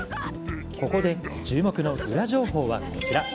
ここで注目のウラ情報はこちら。